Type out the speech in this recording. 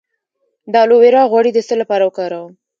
د الوویرا غوړي د څه لپاره وکاروم؟